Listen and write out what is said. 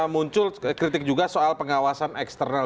muncul kritik juga soal pengawasan eksternal